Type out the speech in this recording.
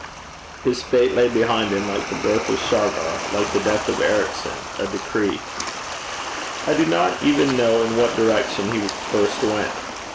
His fate lay behind him, like the birth of Shargar, like the death of Ericson, a decree. I do not even know in what direction he first went.